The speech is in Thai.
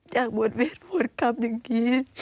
อยากบวชเวรบวชกรรมอย่างนี้